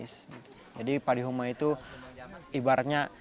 soalnya bisa gak ampir nyetirernya